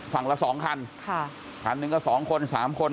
ละสองคันค่ะคันหนึ่งก็สองคนสามคน